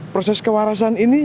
proses kewarasan ini